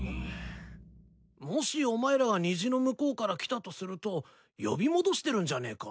もしお前らが虹の向こうから来たとすると呼び戻してるんじゃねえか？